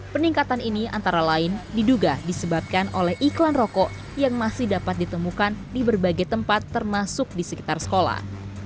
peningkatan ini antara lain diduga disebabkan oleh iklan rokok yang masih dapat ditemukan di berbagai tempat termasuk di sekitar sekolah